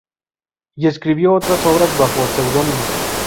Y escribió otras obras, bajo seudónimo.